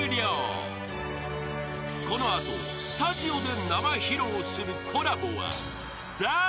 ［この後スタジオで生披露するコラボは誰だ？］